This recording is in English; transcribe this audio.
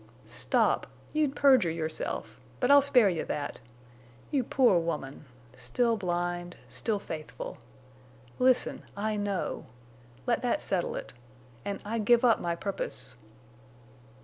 "Stop! You'd perjure yourself! But I'll spare you that. You poor woman! Still blind! Still faithful!... Listen. I know. Let that settle it. An' I give up my purpose!"